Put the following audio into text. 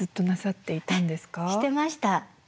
してました。